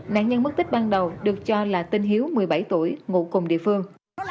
nạn nhân mất tích ban đầu được cho là tên hiếu một mươi bảy tuổi ngủ cùng địa phương